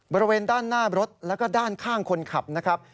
บริเวณด้านหน้ารถแล้วก็ด้านข้างคนขับนะครับ